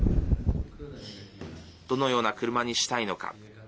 どのような車にしたいのか。